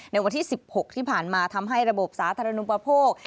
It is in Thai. ในวันที่๑๖ที่ผ่านมาทำให้ระบบสาธารณูปโภค